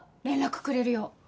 連絡くれるよう。